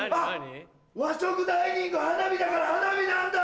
「和食ダイニング花火」だから花火なんだ。